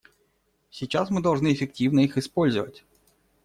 Сейчас мы должны эффективно их использовать.